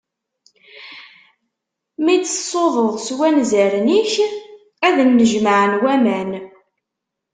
Mi d-tṣuḍeḍ s wanzaren-ik, ad nnejmaɛen waman.